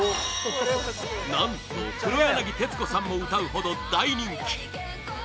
何と、黒柳徹子さんも歌うほど大人気！